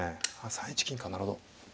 ３一金かなるほど。